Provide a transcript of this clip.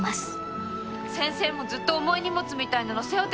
先生もずっと重い荷物みたいなの背負ってたんですよね？